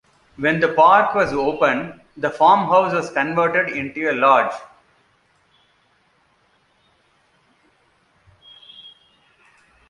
When the park was opened, the farmhouse was converted into a lodge.